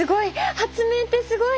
発明ってすごい！